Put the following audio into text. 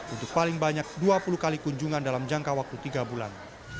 untuk paling banyak dua puluh kali kunjungan dalam jangka waktu tiga bulan